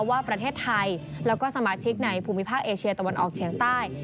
ว่าประเทศไทยแล้วก็สมาชิกในภูมิภาคเอเชียตะวันออกเฉียงใต้